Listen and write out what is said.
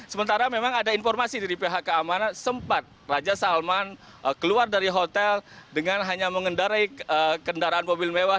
sementara memang ada informasi dari pihak keamanan sempat raja salman keluar dari hotel dengan hanya mengendarai kendaraan mobil mewah